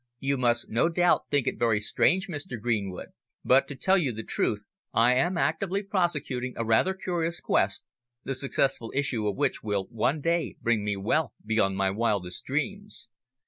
"You must, no doubt, think it very strange, Mr. Greenwood, but to tell you the truth I am actively prosecuting a rather curious quest, the successful issue of which will one day bring me wealth beyond my wildest dreams.